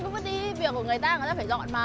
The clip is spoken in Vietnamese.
con cứ vứt đi việc của người ta người ta phải dọn mà